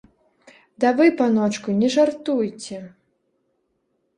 Ды вы, паночку, не жартуйце!